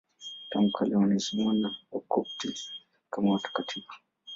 Tangu kale wanaheshimiwa na Wakopti kama watakatifu.